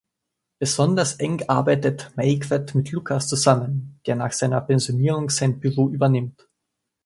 Besonders eng arbeitet Maigret mit Lucas zusammen, der nach seiner Pensionierung sein Büro übernimmt.